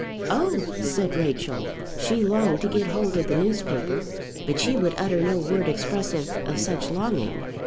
"Oh!" said Rachel; she longed to get hold of the newspaper, but she would utter no word expressive of such longing.